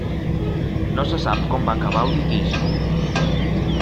No se sap com va acabar el litigi.